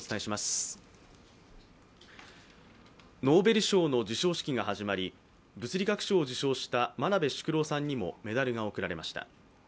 ノーベル賞の授賞式が始まり、物理学賞を受賞した真鍋淑郎さんにもメダルが贈られました。